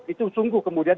itu sungguh kemudian